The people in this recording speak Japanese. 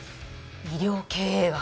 医療経営学。